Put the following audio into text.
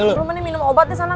lu mending minum obat di sana